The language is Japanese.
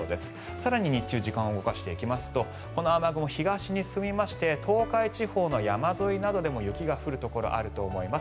更に日中、時間を動かすとこの雨雲、東に進みまして東海地方の山沿いなどでも雪が降るところあると思います。